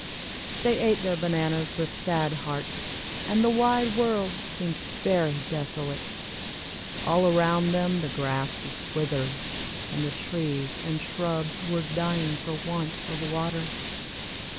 They ate their bananas with sad hearts, and the wide world seemed very desolate. All around them the grass was withered, and the trees and shrubs were dying for want of water.